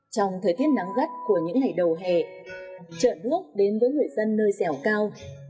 trong thời tiết nắng gắt của những ngày đầu hè trợn bước đến với người dân nơi xẻo cao